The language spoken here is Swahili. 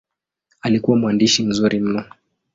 Alikuwa mwandishi mzuri mno.